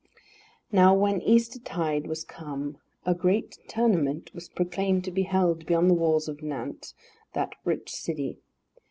Now when Eastertide was come, a great tournament was proclaimed to be held beyond the walls of Nantes, that rich city.